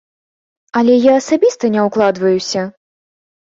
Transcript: Але я асабіста не ўкладваюся!